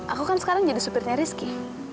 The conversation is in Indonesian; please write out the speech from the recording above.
aku kan sekarang jadi supirnya rizky